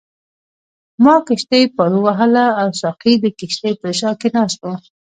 ما کښتۍ پارو وهله او ساقي د کښتۍ په شا کې ناست وو.